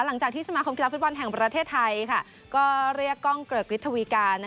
หลังจากที่สมาคมกีฬาฟุตบอลแห่งประเทศไทยก็เรียกกร้องเกิดเกิดฤทธวิการ์